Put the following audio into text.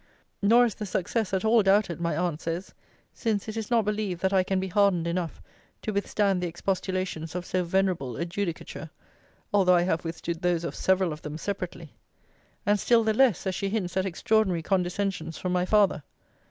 Nor is the success at all doubted, my aunt says: since it is not believed that I can be hardened enough to withstand the expostulations of so venerable a judicature, although I have withstood those of several of them separately. And still the less, as she hints at extraordinary condescensions from my father.